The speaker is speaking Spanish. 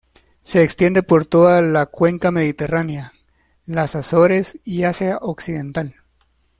Se extiende por toda la Cuenca mediterránea, las Azores y Asia occidental.